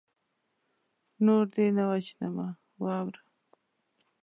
نور دې نه وژنمه واوره